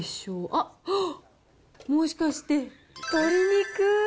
あっ、もしかして、鶏肉。